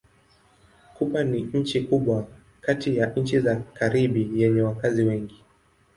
Kuba ni nchi kubwa kati ya nchi za Karibi yenye wakazi wengi.